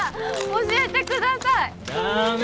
教えてください。だめ。